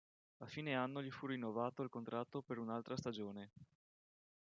A fine anno gli fu rinnovato il contratto per un'altra stagione.